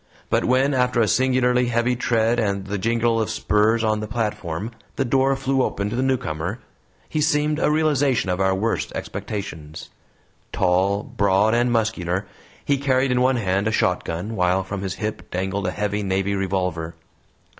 But when, after a singularly heavy tread and the jingle of spurs on the platform, the door flew open to the newcomer, he seemed a realization of our worst expectations. Tall, broad, and muscular, he carried in one hand a shotgun, while from his hip dangled a heavy navy revolver.